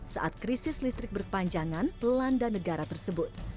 saat krisis listrik berpanjangan belanda negara tersebut